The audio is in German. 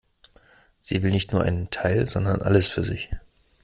Sie will nicht nur einen Teil, sondern alles für sich.